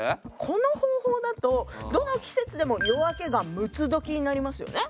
この方法だとどの季節でも夜明けが六つどきになりますよね。